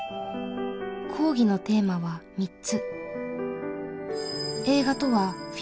講義のテーマは３つ。